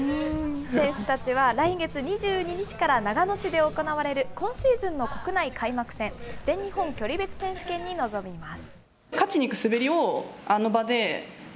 選手たちは来月２２日から長野市で行われる、今シーズンの国内開幕戦、全日本距離別選手権に臨みます。